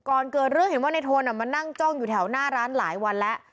ก่อนเกิดเรื่องเห็นว่าในโทนมานั่งจ้องอยู่แถวหน้าร้านหลายวันแล้ว